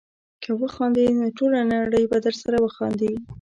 که وخاندې نو ټوله نړۍ به درسره وخاندي.